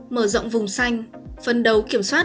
mở rộng vùng xanh phấn đấu kiểm soát